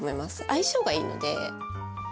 相性がいいので。